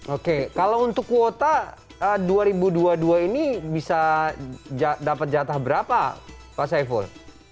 oke kalau untuk kuota dua ribu dua puluh dua ini bisa dapat jatah berapa pak saiful